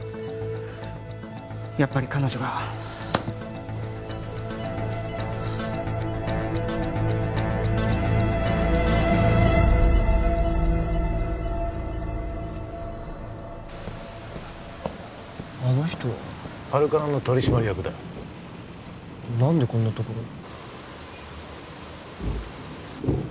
やっぱり彼女があの人ハルカナの取締役だ何でこんなところに？